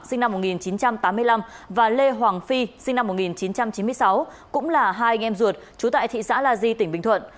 sinh năm một nghìn chín trăm tám mươi năm và lê hoàng phi sinh năm một nghìn chín trăm chín mươi sáu cũng là hai anh em ruột trú tại thị xã la di tỉnh bình thuận